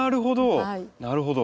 なるほど！